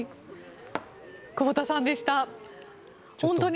久保田さんでした。